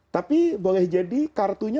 tapi boleh jadi kartunya